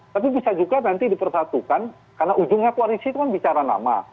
tapi bisa juga nanti dipersatukan karena ujungnya koalisi itu kan bicara nama